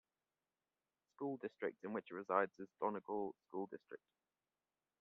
The school district in which it resides is Donegal School District.